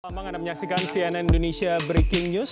selamat malam anda menyaksikan cnn indonesia breaking news